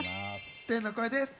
天の声です。